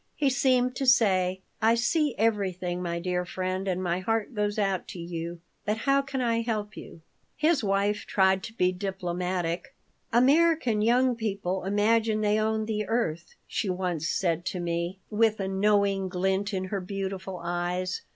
He seemed to say, "I see everything, my dear friend, and my heart goes out to you, but how can I help you?" His wife tried to be diplomatic "American young people imagine they own the earth," she once said to me, with a knowing glint in her beautiful eyes.